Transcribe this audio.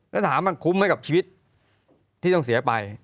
แล้วถามว่ามันคุ้มไหมกับชีวิตที่ต้องเสียไป